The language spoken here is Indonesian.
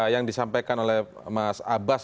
yang disampaikan oleh mas abbas